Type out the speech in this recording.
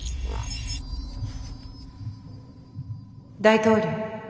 「大統領」。